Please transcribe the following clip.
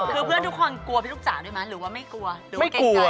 คือเพื่อนทุกคนกลัวพี่ลูกจ๋าด้วยมั้ยหรือว่าไม่กลัว